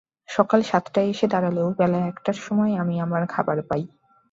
সকাল সাতটায় এসে দাঁড়ালেও বেলা একটার সময় আমি আমার খাবার পাই।